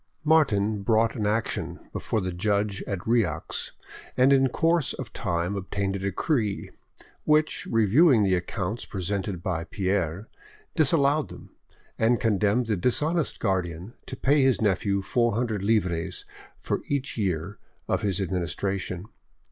Martin brought an action before the judge at Rieux, and in course of time obtained a decree, which, reviewing the accounts presented by Pierre, disallowed them, and condemned the dishonest guardian to pay his nephew four hundred livres for each year of his administration.